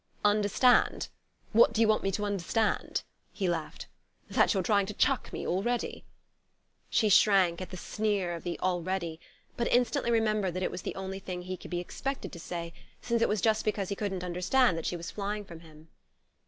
"Understand? What do you want me to understand," He laughed. "That you're trying to chuck me already?" She shrank at the sneer of the "already," but instantly remembered that it was the only thing he could be expected to say, since it was just because he couldn't understand that she was flying from him.